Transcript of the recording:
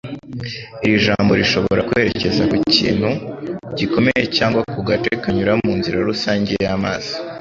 Iri jambo rishobora kwerekeza ku "kintu" gikomeye cyangwa ku gace kanyura mu nzira rusange y'amazi